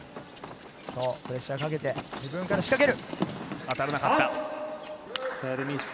プレッシャーをかけて、自分から仕掛ける。